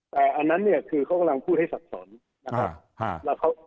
แต่อันนั้นเนี่ยคือเขากำลังพูดให้สับสนนะครับ